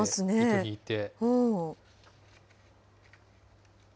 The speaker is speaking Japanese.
糸引いて。